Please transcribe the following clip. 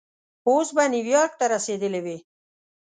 اوس به نیویارک ته رسېدلی وې.